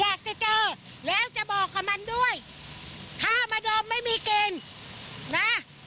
อยากจะเจอแล้วจะบอกกับมันด้วยถ้ามาดอมไม่มีกินนะ